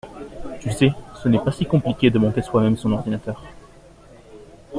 Tu sais, ce n'est pas si compliqué de monter soi-même son ordinateur.